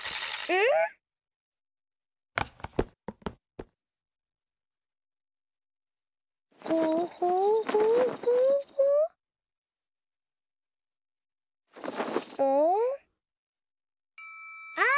うん？あっ！